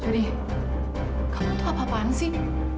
jadi kamu itu apa apaan sih